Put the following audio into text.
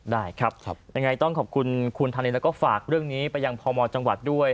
ได้ครับยังไงต้องขอบคุณคุณธานีแล้วก็ฝากเรื่องนี้ไปยังพมจังหวัดด้วย